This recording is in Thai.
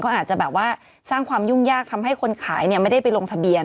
เขาอาจจะแบบว่าสร้างความยุ่งยากทำให้คนขายไม่ได้ไปลงทะเบียน